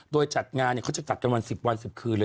โดยจัดงานเขาจะจัดกันวัน๑๐วัน๑๐คืนเลย